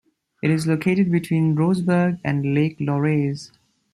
It is located between Rossberg and Lake Lauerz.